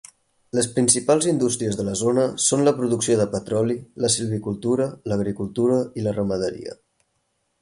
Les principals indústries de la zona són la producció de petroli, la silvicultura, l'agricultura i la ramaderia.